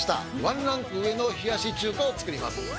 ワンランク上の冷やし中華をつくります。